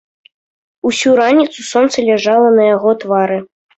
Усю раніцу сонца ляжала на яго твары.